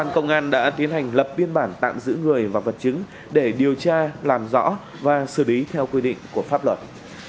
công an đã tiến hành lập biên bản tạm giữ người và vật chứng để điều tra làm rõ và xử lý theo quy định của pháp luật